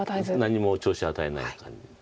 何にも調子を与えない感じ。